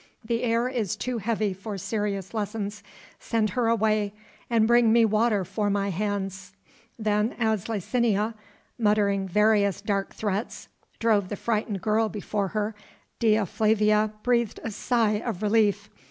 The air is too heavy for serious lessons. Send her away and bring me water for my hands." Then as Licinia muttering various dark threats drove the frightened girl before her, Dea Flavia breathed a sigh of relief.